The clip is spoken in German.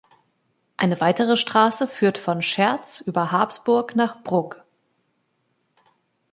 Eine weitere Strasse führt von Scherz über Habsburg nach Brugg.